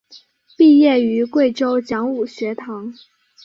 毕业于贵州讲武学堂。